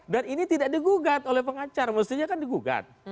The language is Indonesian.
dan ini tidak digugat oleh pengacar maksudnya kan digugat